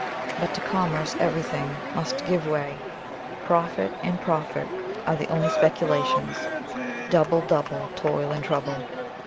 But to commerce everything must give way; profit and profit are the only speculations "double double, toil and trouble."